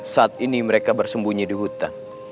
saat ini mereka bersembunyi di hutan